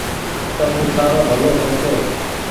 سبو سآرو ڀلو سوچو۔